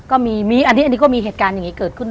ก็มีมีอันนี้ก็มีเหตุการณ์อย่างนี้เกิดขึ้น